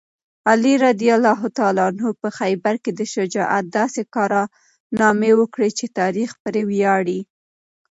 علي رض په خیبر کې د شجاعت داسې کارنامې وکړې چې تاریخ پرې ویاړي.